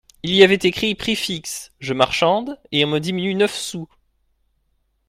Il y avait écrit : "Prix fixe…" Je marchande… et on me diminue neuf sous !…